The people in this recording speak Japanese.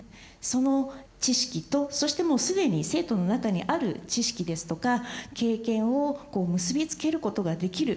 その知識とそしてもう既に生徒の中にある知識ですとか経験をこう結びつけることができる。